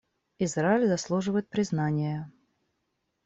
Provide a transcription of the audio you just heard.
Израиль заслуживает признания.